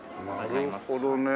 なるほどね。